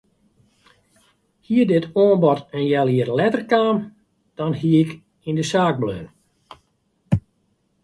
Hie dit oanbod in healjier letter kaam dan hie ik yn de saak bleaun.